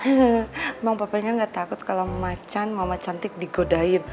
emang papanya nggak takut kalau macan mama cantik digodain